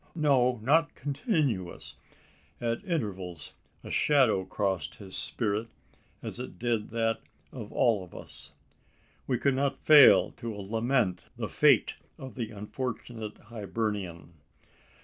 No; not continuous. At intervals, a shadow crossed his spirit, as it did that of all of us. We could not fail to lament the fate of the unfortunate Hibernian.